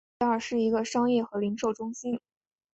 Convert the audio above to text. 安吉尔是一个商业和零售中心。